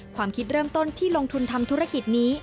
ความคิดเริ่มต้นที่ลงทุนทำธุรกิจนี้